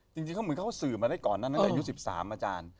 จริงเขาเหมือนเขาสื่อมาได้ก่อนนั้นตั้งแต่อายุ๑๓อาจารย์